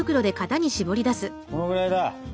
このぐらいか！